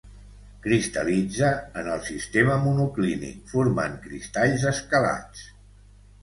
Cristal·litza en el sistema monoclínic formant cristalls escalats.